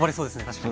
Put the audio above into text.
確かに。